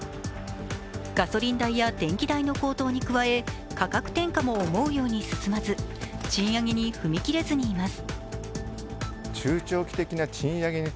ガソリン代や電気代の高騰に加え価格転嫁も思うように進まず、賃上げに踏み切れずにいます。